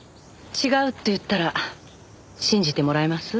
違うと言ったら信じてもらえます？